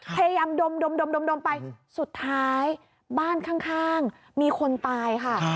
ดมไปสุดท้ายบ้านข้างมีคนตายค่ะ